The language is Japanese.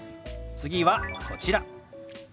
次はこちら。